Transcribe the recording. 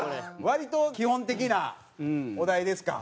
割と基本的なお題ですか？